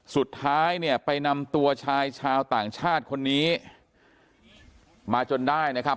สุดท้ายเนี่ยไปนำตัวชายชาวต่างชาติคนนี้มาจนได้นะครับ